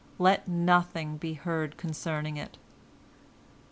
Let nothing be heard concerning it."